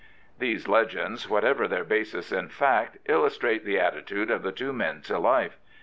These legends, whatever their basis in fact, illustrate the attitude of the two men to life.